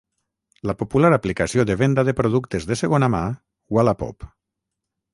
La popular aplicació de venda de productes de segona mà Wallapop